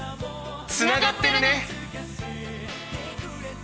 つながってるね！